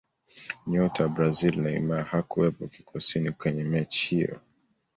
nyota wa brazili neymar hakuwepo kikosini kwenye mechi hiyo